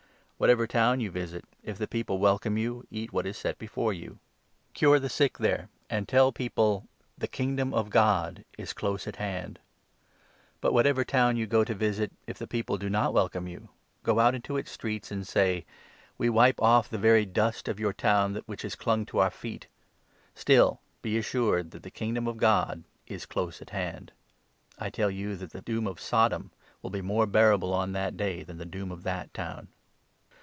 Whatever town you visit, if the people welcome you, eat 8 what is set before you; cure the sick there, and tell people 9 Ma Kings i. 10, LUKE, 1C. 129 ' The Kingdom of God is close at hand.' But, whatever town 10 you go to visit, if the people do not welcfime you, go out into its streets and say ' We wipe off the very dust of your 1 1 town which has clung to our feet ; still, be assured that the Kingdom of God is close at hand.' I tell you that the 12 doom of Sodom will be more bearable on ' That Day ' than the doom of that town.